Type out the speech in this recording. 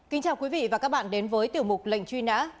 kính chào quý vị và các bạn đến với tiểu mục lệnh truy nã